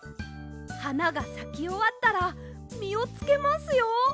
はながさきおわったらみをつけますよ！